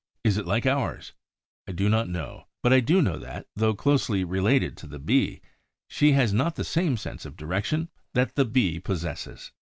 Is it like ours? I do not know; but I do know that, though closely related to the Bee, she has not the same sense of direction that the Bee possesses.